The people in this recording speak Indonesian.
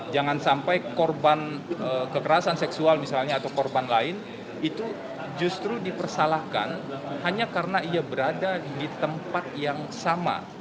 jangan sampai korban kekerasan seksual misalnya atau korban lain itu justru dipersalahkan hanya karena ia berada di tempat yang sama